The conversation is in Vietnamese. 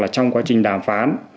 trong quá trình đàm phán